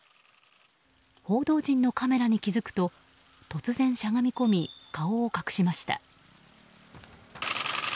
報道陣のカメラに気付くと突然しゃがみ込み顔を隠しました。